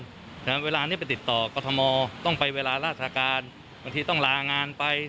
เวลานี้ไปติดต่อกรทมต้องไปเวลาราชการบางทีต้องลางานไป